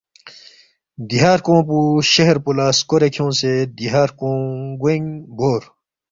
دیہا ہرکونگ پو شہر پو لہ سکورے کھیونگسے دیہا ہرکونگ گوینگ بور